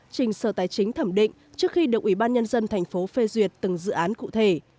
trình sở tài chính thẩm định trước khi được ủy ban nhân dân thành phố phê duyệt từng dự án cụ thể